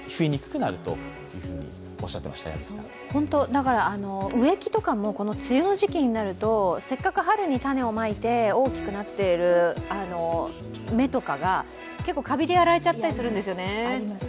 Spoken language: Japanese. だから、植木とかもこの梅雨の時期になると、せっかく春に種をまいて大きくなってる根とかが結構カビでやられちゃったりするんですよね。